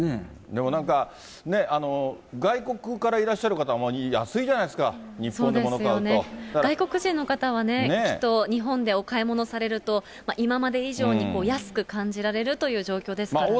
でもなんかね、外国からいらっしゃる方、安いじゃないですか、そうですね、外国人の方はね、きっと日本でお買い物されると、今まで以上に安く感じられるという状況ですからね。